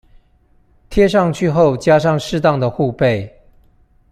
貼上去後加上適當的護貝